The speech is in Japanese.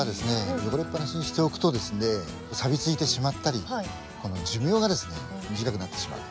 汚れっぱなしにしておくとですねさびついてしまったりこの寿命がですね短くなってしまう。